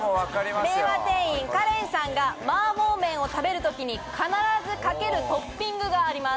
令和店員果怜さんが麻婆麺を食べる時に必ずかけるトッピングがあります。